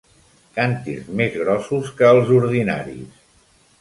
Càntirs més grossos que els ordinaris.